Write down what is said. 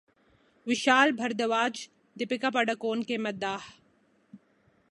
ویشال بھردواج دپیکا پڈوکون کے مداح